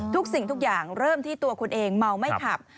สิ่งทุกอย่างเริ่มที่ตัวคุณเองเมาไม่ขับ